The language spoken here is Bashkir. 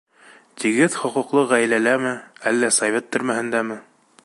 Тигеҙ хоҡуҡлы ғаиләләме, әллә совет төрмәһендәме?